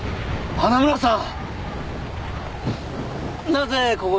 花村さん